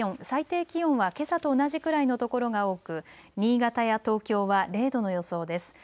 最低気温はけさと同じくらいの所が多く新潟や東京は０度の予想です。